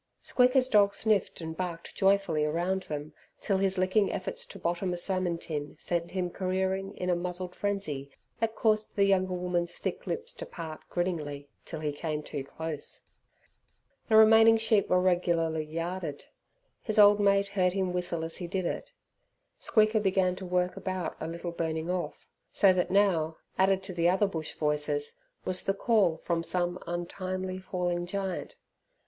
Squeaker's dog sniffed and barked joyfully around them till his licking efforts to bottom a salmon tin sent him careering in a muzzled frenzy, that caused the younger woman's thick lips to part grinningly till he came too close. The remaining sheep were regularly yarded. His old mate heard him whistle as he did it. Squeaker began to work about a little burning off. So that now, added to the other bush voices, was the call from some untimely falling giant.